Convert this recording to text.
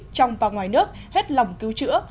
trong và ngoài nước hết lòng cứu chữa